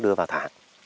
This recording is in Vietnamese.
đưa vào thả